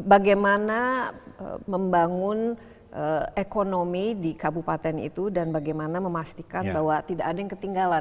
bagaimana membangun ekonomi di kabupaten itu dan bagaimana memastikan bahwa tidak ada yang ketinggalan